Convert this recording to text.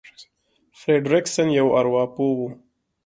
فرېډ ريکسن يو ارواپوه دی.